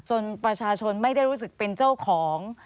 ประชาชนไม่ได้รู้สึกเป็นเจ้าของ